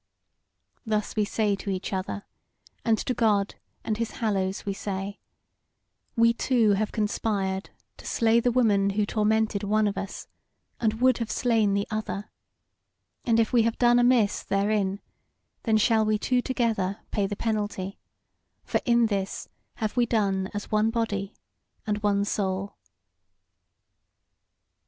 Thus we say to each other; and to God and his Hallows we say: 'We two have conspired to slay the woman who tormented one of us, and would have slain the other; and if we have done amiss therein, then shall we two together pay the penalty; for in this have we done as one body and one soul.'"